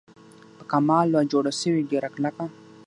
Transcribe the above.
په کمال وه جوړه سوې ډېره کلکه